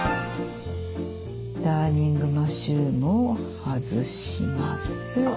ダーニングマッシュルームを外します。